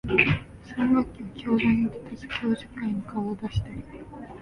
三学期は教壇に立たず、教授会に顔を出したり、